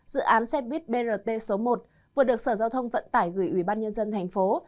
dự án xe buýt brt số một vừa được sở giao thông vận tải gửi ủy ban nhân dân thành phố